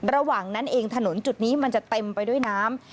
ระหว่างนั้นเองถนนจุดนี้มันจะเต็มไปด้วยน้ำ